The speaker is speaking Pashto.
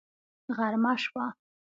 غرمه شوه